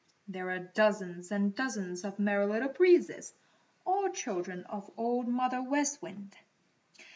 There are dozens and dozens of Merry Little Breezes, all children of Old Mother West Wind.